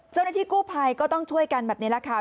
เจ้าหน้าที่กู้ภัยก็ต้องช่วยกันแบบนี้แหละค่ะ